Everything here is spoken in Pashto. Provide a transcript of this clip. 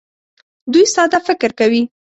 دوی ساده فکر کوي.